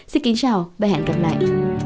xin kính chào và hẹn gặp lại